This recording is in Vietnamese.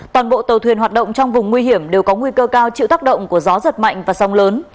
toàn bộ tàu thuyền hoạt động trong vùng nguy hiểm đều có nguy cơ cao chịu tác động của gió giật mạnh và sóng lớn